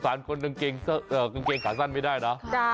แตก็อดสงสารคนกางเกงขาสั้นไม่ได้นะ